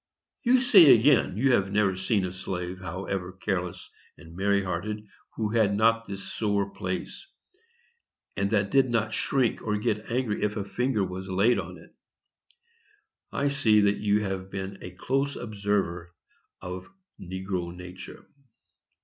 You say again you have never seen a slave how ever careless and merry hearted, who had not this sore place, and that did not shrink or get angry if a finger was laid on it. I see that you have been a close observer of negro nature.